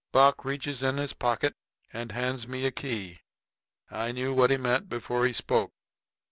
Buck reaches in his pocket and hands me a key. I knew what he meant before he spoke.